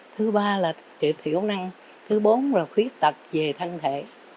thứ ba là trị thiểu năng thứ bốn là khuyết tực về thân thể